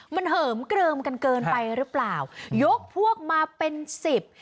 มันเหิมเกลิมกันเกินไปหรือเปล่ายกพวกมาเป็นสิบ